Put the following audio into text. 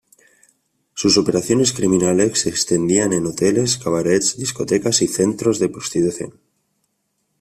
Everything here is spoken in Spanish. Sus operaciones criminales se extendían en hoteles, cabarets, discotecas y centros de prostitución.